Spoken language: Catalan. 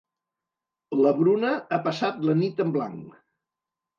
La Bruna ha passat la nit en blanc.